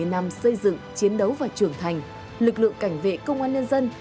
bảy mươi năm xây dựng chiến đấu và trưởng thành lực lượng cảnh vệ công an nhân dân